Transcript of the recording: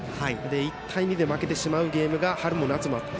１対２で負けてしまうゲームが春も夏もあった。